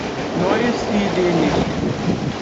Neu ist die Idee nicht.